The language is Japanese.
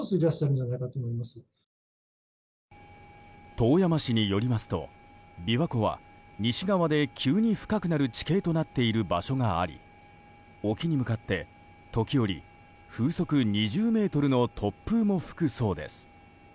遠山氏によりますと、琵琶湖は西側で急に深くなる地形となっている場所があり沖に向かって時折、風速２０メートルの突風も吹くそうです。